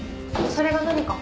それが何か？